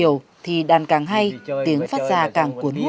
lãnh đạo vui vẻ